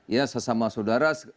ya sesama saudara